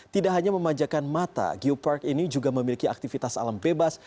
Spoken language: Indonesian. tidak hanya memanjakan mata geopark ini juga memiliki aktivitas alam bebas